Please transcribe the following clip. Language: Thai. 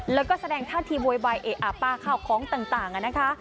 แล้วก็แสดงท่าทีโวยวายเอ๊ะอาป้าข้าวของต่างนะคะ